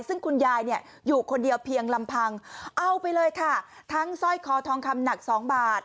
ซึ่งคุณยายเนี่ยอยู่คนเดียวเพียงลำพังเอาไปเลยค่ะทั้งสร้อยคอทองคำหนักสองบาท